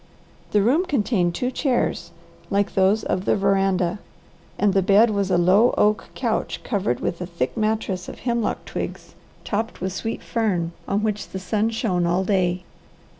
The room contained two chairs like those of the veranda, and the bed was a low oak couch covered with a thick mattress of hemlock twigs, topped with sweet fern, on which the sun shone all day.